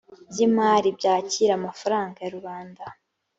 by imari byakira amafaranga ya rubanda